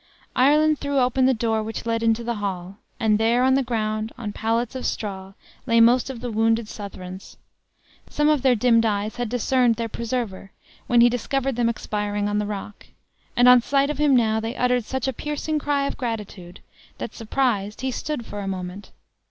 Ireland threw open the door which led into the hall, and there, on the ground, on pallets of straw, lay most of the wounded Southrons. Some of their dimmed eyes had discerned their preserver, when he discovered them expiring on the rock; and on sight of him now, they uttered such a piercing cry of gratitude, that, surprised, he stood for a moment.